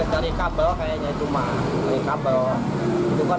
dari kabel kayaknya cuma dari kabel